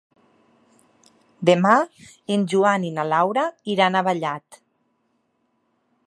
Demà en Joan i na Laura iran a Vallat.